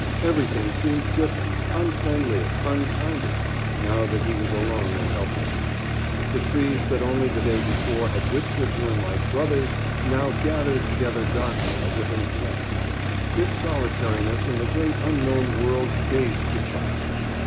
Everything seemed different, unfriendlier, unkinder, now that he was alone and helpless. The trees that only the day before had whispered to him like brothers now gathered together darkly as if in threat. This solitariness in the great unknown world dazed the child.